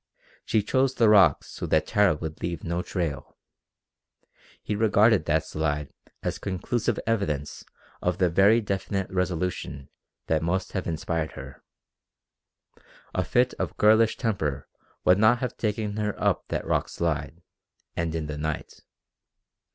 She chose the rocks so that Tara would leave no trail. He regarded that slide as conclusive evidence of the very definite resolution that must have inspired her. A fit of girlish temper would not have taken her up that rock slide, and in the night.